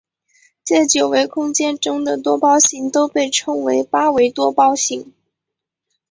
在九维空间中的多胞形都被称为八维多胞形。